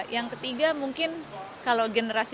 yang ketiga mungkin kalau generasi